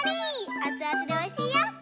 あつあつでおいしいいよ。